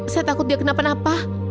saya takut dia kenapa napa